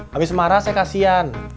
habis marah saya kasian